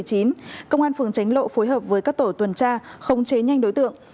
công an phường tránh lộ phối hợp với các tổ tuần tra không chế nhanh đối tượng